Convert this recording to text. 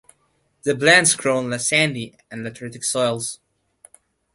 The plants grow on sandy and lateritic soils.